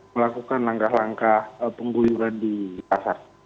melakukan langkah langkah pengguyuran di pasar